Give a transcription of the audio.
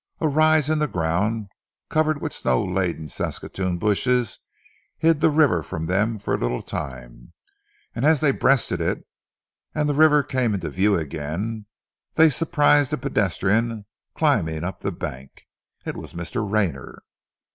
A rise in the ground covered with snow laden saskatoon bushes hid the river from them for a little time, and as they breasted it, and the river came into view again, they surprised a pedestrian climbing up the bank. It was Mr. Rayner.